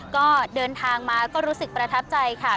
ก็เดินทางมาก็รู้สึกประทับใจค่ะ